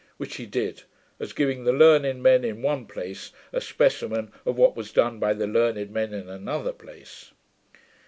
Which he did, as giving the learned men in one place a specimen of what was done by the learned men in another place.